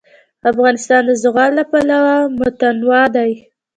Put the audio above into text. افغانستان د زغال له پلوه متنوع دی.